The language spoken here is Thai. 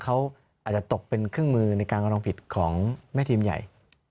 เขาอาจจะตกเป็นเครื่องมือในการกระทำผิดของแม่ทีมใหญ่